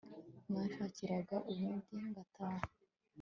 mwanshakiraga ubundi ngataha